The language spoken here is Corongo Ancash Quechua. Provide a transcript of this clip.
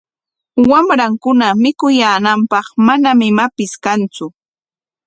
Wamrankuna mikuyaananpaq manam imapis kantsu.